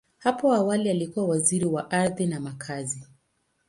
Hapo awali, alikuwa Waziri wa Ardhi na Makazi.